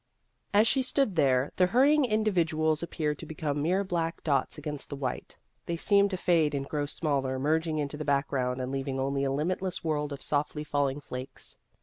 As she stood there, the hurrying individ uals appeared to become mere black dots against the white ; they seemed to fade and grow smaller, merging into the background and leaving only a limit less world of softly falling flakes.